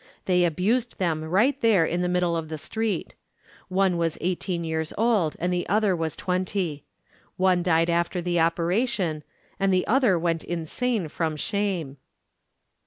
They abused them right there in the middle of the street. One was eighteen years old and the other was twenty. One died after the operation and the other went insane from shame.